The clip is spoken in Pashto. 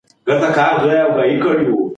لیکوال په دې برخه کې ډېر حساس دی.